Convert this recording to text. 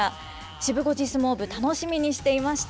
シブ５時相撲部楽しみにしていました。